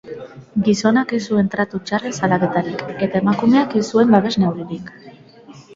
Gizonak ez zuen tratu txarren salaketarik eta emakumeak ez zuen babes neurririk.